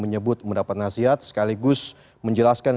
menyebut mendapat nasihat sekaligus menjelaskan